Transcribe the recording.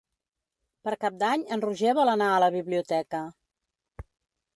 Per Cap d'Any en Roger vol anar a la biblioteca.